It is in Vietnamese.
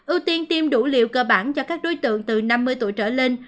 ưu tiên tiêm đủ liều cơ bản cho các đối tượng từ năm mươi tuổi trở lên